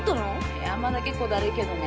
いやまだ結構だるいけどね。